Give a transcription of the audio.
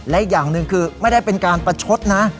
และอีกอย่างหนึ่งคือไม่ได้เป็นการประชดนะ